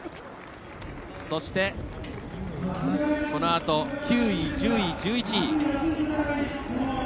そして、このあと９位、１０位、１１位。